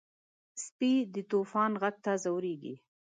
سپي د طوفان غږ ته ځورېږي.